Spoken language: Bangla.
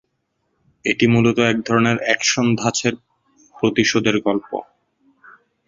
এটি মূলত এক ধরনের অ্যাকশন ধাঁচের প্রতিশোধের গল্প।